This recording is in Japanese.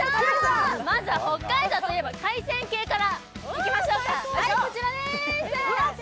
まずは北海道といえば海鮮系から行きましょうか、こちらです。